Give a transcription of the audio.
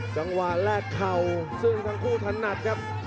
แลกเข่าซึ่งทั้งคู่ถนัดครับ